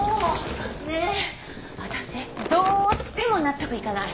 ねえ私どうしても納得いかない！